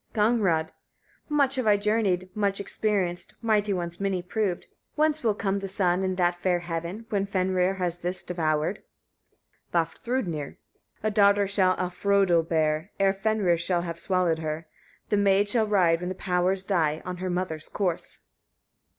Gagnrâd. 46. Much have I journeyed, much experienced, mighty ones many proved. Whence will come the sun in that fair heaven, when Fenrir has this devoured? Vafthrûdnir. 47. A daughter shall Alfrödull bear, ere Fenrir shall have swallowed her. The maid shall ride, when the powers die, on her mother's course.